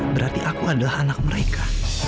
berarti aku adalah anak mereka